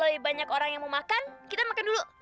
lebih banyak orang yang mau makan kita makan dulu